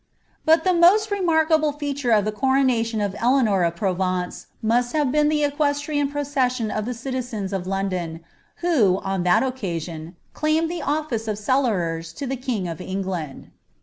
But the most remarkable feature in the coronation of Eleanor of P* vence must have been the equestrian procession of the citizoia of L* don, who, on ^at occasion, claimed the othce of cellorera to the Ulf of England.